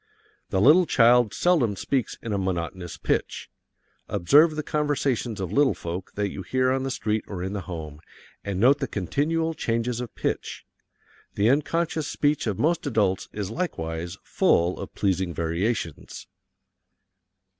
The little child seldom speaks in a monotonous pitch. Observe the conversations of little folk that you hear on the street or in the home, and note the continual changes of pitch. The unconscious speech of most adults is likewise full of pleasing variations.